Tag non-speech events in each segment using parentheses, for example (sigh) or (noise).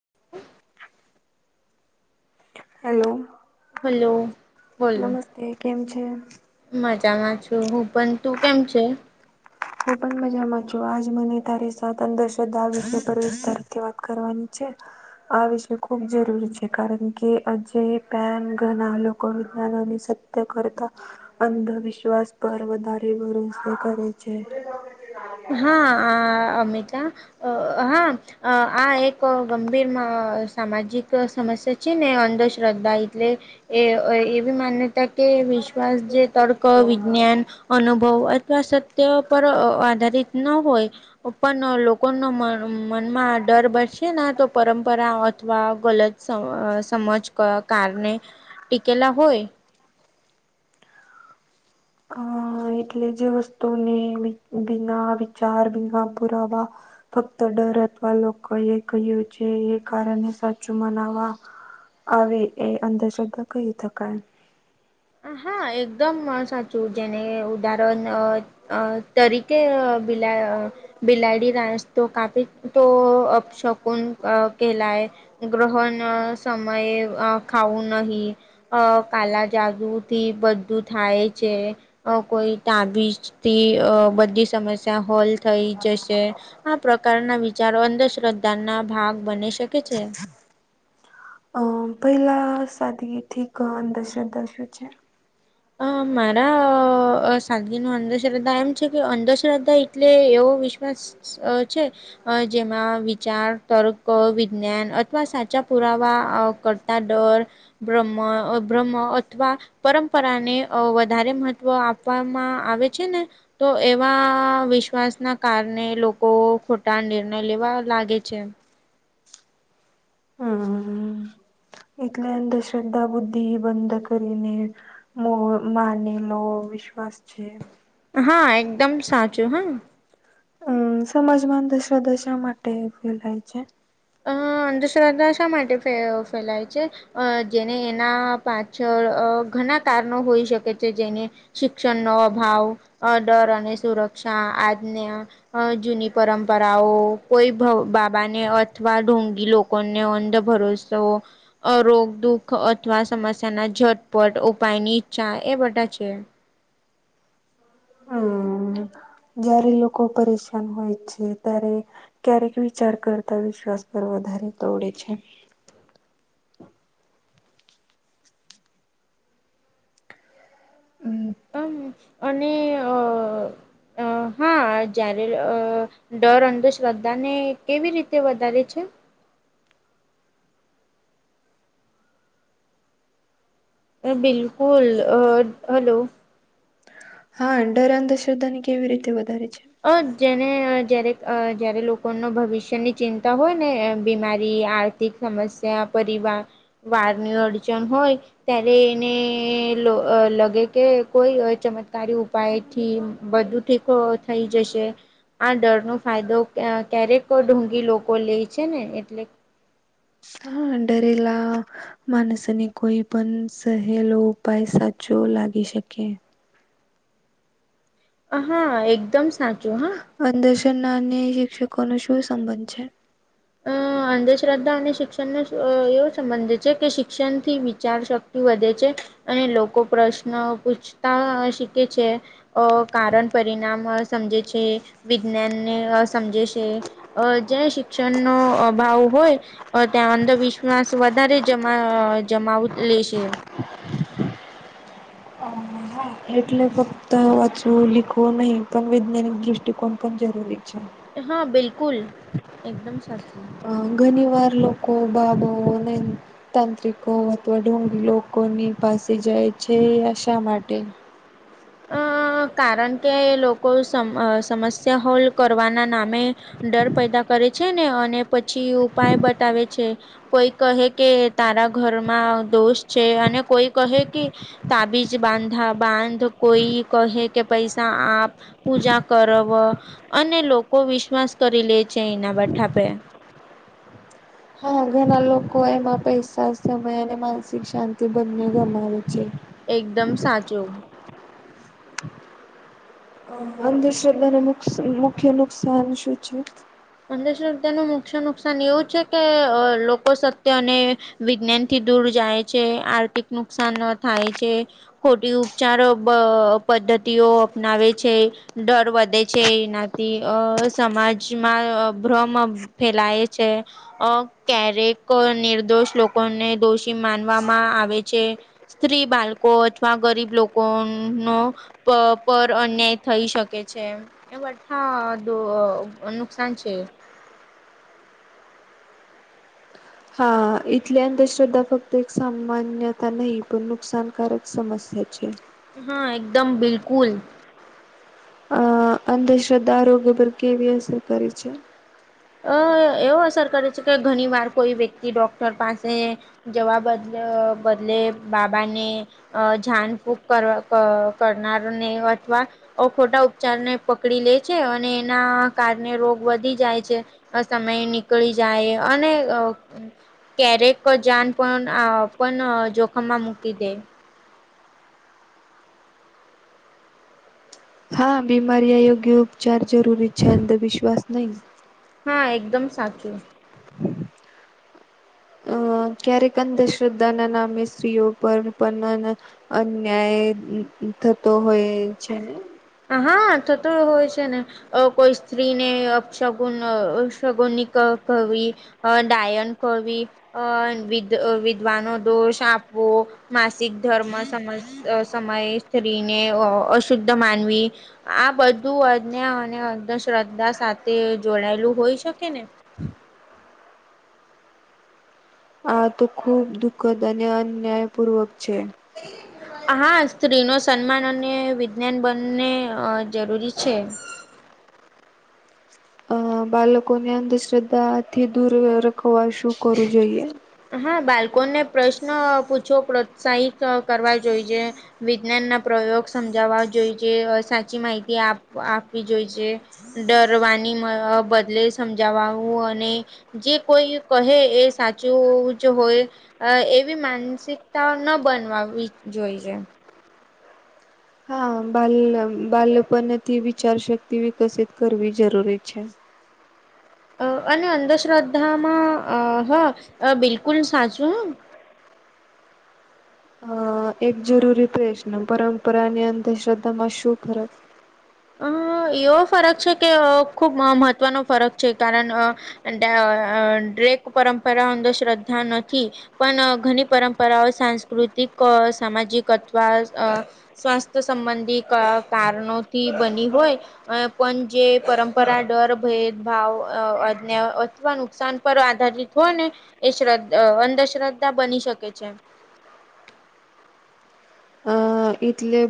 (inaudible) Hello. Hello. બોલો નમસ્તે કેમ છે? મજામાં છું હું પણ તું કેમ છે? હું પણ મજામાં છું આજ મને તારી સા અંધશ્રદ્ધા વિ વિતાર વાત કરવાની છે. આ વિશે ખૂબ જરૂરી છે કારણ કે આજ પેન ઘણા લોકો વિજ્ઞનોની કરતા, અંધવિશ્વાસ પર વધારે ભ કરે છે. છે. હા અમતા હા. અ આ એક ગંભીર સામાજિક સમસ્યા છે ને અંધશ્રદ્ધા એટલે એ એવી માન્યતા કે વિશ્વાસ જે વિજ્ઞાન, અનુભવ અથવા સત્ય પર આધારિત ન હોય. પણ લોકોનો મનમાં ડર બરશે ના તો પરંપરા અથવા ગલત સમ સમજ ક કારને, ટીકેલા હોય. અ એટલે જે વસ્તુને બિ બિના વિચાર બિના પુરાવા. ફક્ત ડર અથવા લોકો એ કહ્યું છે એ કારણે સાચું મનાવા. આવે એ અંધશ્રદ્ધા કહી શકાય. હા એકદમ સાચું જેને ઉદારન અ અ તરીકે અ બિલા અ બિલાડી રાસતો કાપી તો અપશકુન કેહલાય. ગ્રહણ સમયે અ ખાવું નહી, અ કાલા જાદુ થી બધું થાય છે. અ કોઈ તાબીજ થી અ બધી સમસ્યા હલ થઈ જશે. આ પ્રકારના વિચારો અંધશ્રદ્ધા ના ભાગ બની શકે છે. અ પહેલા સાથી ઠીક અંધશ્રદ્ધા શું છે? અ મારા અ સાદગી ન અંધશ્ર્ધા એમ છે કે અંધશ્રદ્ધા એટલે એવો વિશ્વાસ. અ છે. અ જેમાં વિચાર તર્ક વિજ્ઞાન અથવા સાચા પુરાવા અ ક તા ડર, બ્ર્મ, અ બ્રહ્મ અથવા પરં પરા ને અ વધારે મહત્વ આપવામાં આવે છે ને. તો એવા વિશ્વાસ ના કારણે લોકો ખોટા નિર્ણય લેવા લાગે છે. હા. એટલે અંધ શ્રદ્ધા બુદ્ધિ બંધ કરીને. મો માનેલો વિશ્વાસ છે. હા એકદમ સાચું હ. હું સમજમાં અંધશ્રદ્ધા શા માટે ફેલાય છે? અ અંધશ્રદ્ધા શા માટે ફે ફેલાય છે? અ જેને એના પાછળ અ ઘણા કારણો હોઈ શકે છે જેને શિક્ષણનો અભાવ, અ ડર અને સુરક્ષા આજના અ જૂની પરંપરાઓ કોઈ ભવ બાબાને અ અથવા ઢોગી લોકોને અંધ ભરોસો. અરોગ દુઃખ અથવા સમસ્યા ના ઝટપટ ઉપાયની ઈચ્છા એ બધા છે. હાં. જ્યારે લોકો પરેશાન હોય છે ત્યારે. ક્યારેક વિચાર કરતા વિશ્વાસ પર વધારે દોડે છે. હું. હ, અને અ અ હા જ્યારે અ (unintelligible) ડર, અંધશ્રદ્ધા ને, કેવી રીતે વધારે છે? એ બિલકુલ, અ હલો. હા, ડર અંધશ્રદ્ધા ને કેવી રીતે વધારે છે? અ જેને અ જ્યારે અ જયારે લોકોનો ભવિષ્યની ચિંતા હોય ને, એ બીમારી આ તી સમસ્યા પરિવાર વારની અડચણ હોય. ત્યારે એને લ અ લાગે કે, કોઈ અ ચમત્કારી ઉપાય થી બધું. ઠીકો થઈ જશે. આ ડર નો ફાયદો ક ક્યારેક ઢુંગી લોકો લેય છે ને એટલે. હા, ડરેલા. માનસોને કોઈ પણ સહેલો ઉપાય સાચો લાગી શકે. અહા, એકદમ સાચું હા. અંદશનાની શિક્ષકો નો શું સંબંધ છે? અ (unintelligible) અંધશ્રદ્ધા અને શિક્ષણનો અ એવો સંબંધ છે કે, શિક્ષણથી વિચારશક્તિ વધે છે. અને લોકો પ્રશ્ન પૂછતા શીકે છે. અ કારણ પરિણામ અ સમજે છે, વિજ્ઞાનને અ સમજે છે. અ જ શિક્ષણનો ભાવ હોય. ત્યાં અંધવિશ્વાસ વધારે જમા જમાવ લેશે. એટલે ફક્ત વાચું લિખું નહી, પણ વૈજ્ઞાનિક દૃષ્ટિકોણ પણ જરૂરી. છે. હા, બિલકુલ એકદમ સાચું. અ ઘણી વાર લોકો બાબા તાંત્રિકો અથવા ડુંગી લોકોની પાસે જાય છે, આશા માટે. અ કારણ કે, લોકો સમસ્યા હોલ કરવાના નામે ડર પેદા કરે છે ને, અને પછી ઉપાય બતાવે છે. કોઈ કહે કે, તારા ઘરમાં દોસ્ત છે, અને કોઈ કહે કે તાબીજ બાંધા બાંધ કોઈ કહે કે, પૈસા આપ પૂજા કરવે, અને લોકો વિશ્વાસ કરી લે છે, એના બેઠા પે. આ ઘરના લોકો એમાં પૈસા સમય અને માનસિક શાંતિ બંને ગુમાવે છે. એકદમ સાચું. અંધશ્રદ્ધાને મુકસ મુખ્ય નુકસાન શું છે? અંદત્ય ન મુખ્ય નુકસાન એવું છે કે, લોકો સત્ય અને વિજ્ઞાન થી દૂર જાય છે, આર્થિક નુકસાન ન થાય છે. ખોટી ઉપચાર પદ્ધતિઓ અપનાવે છે. ડર વધે છે, એનાથી અ સમાજ ભ્રમ ફેલાય છે. અ ક્યારેક નિર્દોષ લોકોને દોષી માનવામાં આવે છે. સ્ત્રી બાળકો અથવા ગરીબ લોકો નો પર અન્યાય થઈ શકે છે, એ બા નુકસાન જ. હા, એથલે અંધશ્રદ્ધા ફક્ત એક સામાન્યતા નહી, પણ નુકસાનકારક સમસ્યા છે. હા, એકદમ બિલકુલ. અ અંધશ્રદ્ધા આરોગ્ય પર કેવી અસર કરે છે? અ એવો અસર કરે છે કે ઘણી વાર કોઈ વ્યક્તિ ડોક્ટર પાસે જવા બદ બદલે બાબાને અ જાન ફૂક કરવા કરના નને અથવા અ ખોટા ઉપચાર ને પકડી લે છે અને એના કારણે રોગ વધી જાય છે. સમય નીકળી જાય અને ક્યારેક જાન પણ પણ જોખમમાં મૂકી દે. હા બીમારી અ યોગ્ય ઉપચાર જરૂરી છે અંધવિશ્વાસ નહી. હા એકદમ સાચું. અ ક્યારેક અંધશ્રદ્ધા ના નામે સ્ત્રીઓ પર પણ અન્યાય થતો હોય છેને. હા થતો હોય છે ને. અ કોઈ સ્ત્રીને અક્ષગુન અપશગુન કવી અ ડાયન કવિ અ વિ વિધ્વાનો દોષ આપવો માસિક ધર્મ સમ સમયે સ્ત્રીને અશુદ્ધ માનવી. આ બધું અજ્ઞા અને અંધશ્રદ્ધા સાથે જોડાયેલું હોય શકે ને.? આ તો ખૂબ દુઃખદ અને અન્યાયપૂર્વક છે. હા સ્ત્રી ન સન્માન અને વિજ્ઞાન બંને જરૂરી છે. અ બાળકોને અંધશ્રદ્ધાથી દૂર રખવા શું કરવું જોઈએ. હા બાળકોને પ્રશ્ન પૂછો પ્રોત્સાહિત કરવા જોઈએ. વિજ્ઞાન ના પ્રયોગ સમજાવવા જોઈ છે સાચી માહિતી આપવી જોઈ છે. ડરવાની બદલે સમજાવું અને જે કોઈ કહે એ સાચું જ હોય. અ એવી માનસિકતા ન બનવાવી જોઈ છે. હા બાલ બાલપણથી વિચાર શક્તિ વિકસિત કરવી જરૂરી છે. અ અને અંધશ્રદ્ધામાં અ હ બિલકુલ સાચું હ. અ એક જરૂરી તો છે ને પરંપરાની અંધશ્રદ્ધા માં શું ફરક અ એવો ફરક છે કે ખુબ મહત્વનો ફરક છે કારણ ડ્રેક પરંપરા અંધશ્રદ્ધા નથી. પણ ઘણી પરંપરાઓ સાંસ્કૃતિક સામાજિક અત્વા સ્વાસ્થ સંબંધી ક કારણોથી બની હોય. અ પણ જે પરંપરા ડર, ભેદભાવ અજઞા અથવા નુકસાન પર આધારિત હોય ને એ શ્રદ્ધા અંધશ્રદ્ધા બની શકે છે. અ એટલે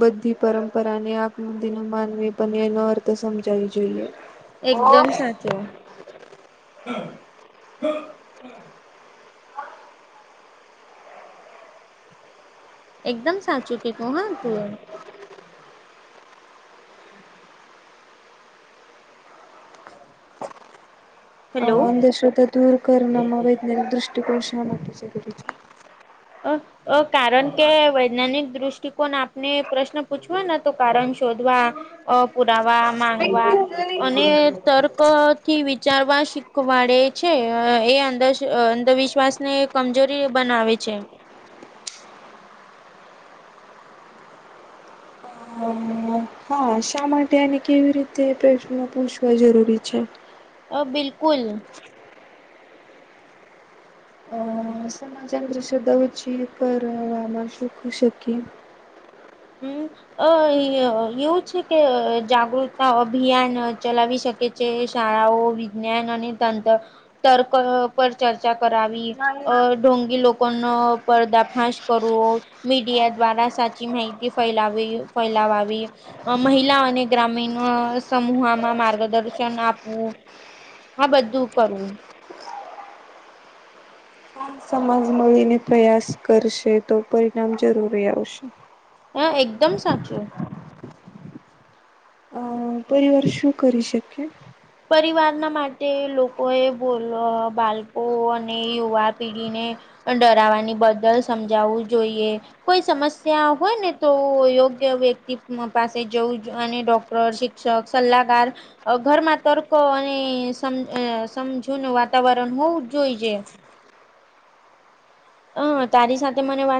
બધી પરંપરાને આમદી ન માનવી પણ એ નર્થ તો સમજાવી જોઈએ. એકદમ સાચું. એકદમ સાચું કી તું હા તું એમ. અ હેલો અંધશ્રદ્ધા દૂર કરમાં વૈજ્ઞાનિક દ્રષ્ટિકોણ શા માટે જરૂરી છે.? અફ કારણ કે વૈજ્ઞાનિક દ્રષ્ટિકોણ આપને પ્રશ્ન પૂછવાના તો કારણ શોધવા. અ પુરાવા માંગવા અને તર્ક થી વિચારવા શીખવાડે છે એ અંધશ્ર અંધવિશ્વાસને કમજોરી બનાવે છે. હમ. હા શા માટે આને કેવી રીતે પ્રશ્નો પૂછવા જરૂરી છે.? બિલકુલ, માજા અંત્ર શ્ર્ધા વછ પરમ શખુ શકી. હમ, અ એવું છે કે, જાગૃતતા અભિયાન ચલાવી શકે. કે જે શાળાઓ વિજ્ઞાન અને તંત્ર તર્ક પર ચર્ચા કરાવી. અ. ઢોંગી લોકોનો પર્દાફાશ કરવા મીડિયા દ્વારા સાચી માહિતી કે ફેલાવી ફેલાવા આવી. મહિલા અને ગ્રામીણ સમૂહમાં માર્ગદર્શન આપવું. હા, બધું કરવું. સમજ મળીને પ્રયાસ કરશે તો, પરિણામ જરૂરી આવશે. હા, એકદમ સાચું. અ પરિવાર શું કરી શકીએ? પરિવારના માટે લોકોએ બો બાળકો અને યુવા પેઢીને ડરાવાની બદલ સમજાવવું જોઈએ. કોઈ સમસ્યા હોય ને, તો યોગ્ય વ્યક્તિ પાસે જવું અને ડોક્ટર શ શિક્ષ સલ્લાગાર ઘરમાં તર્કો અને સમ સમજૂનું વાતાવરણ હોવું જોઈ છે. હ, તારી સાથે મને વાત